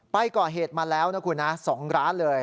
ไปก่อเหตุมาแล้วนะคุณนะ๒ร้านเลย